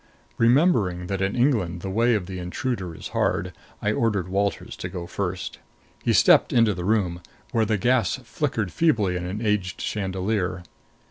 Remembering that in England the way of the intruder is hard, I ordered Walters to go first. He stepped into the room, where the gas flickered feebly in an aged chandelier.